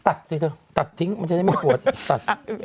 ตัดซิเถอะตัดทิ้งจะได้ไม่ปวด